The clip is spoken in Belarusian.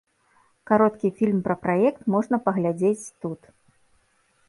Кароткі фільм пра праект можна паглядзець тут.